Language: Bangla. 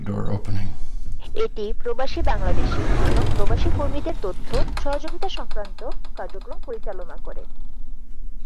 এটি প্রবাসী বাংলাদেশী এবং প্রবাসী কর্মীদের তথ্য, সহযোগীতা সংক্রান্ত কার্যক্রম পরিচালনা করে।